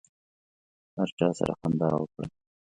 هر چا سره خندا وکړئ.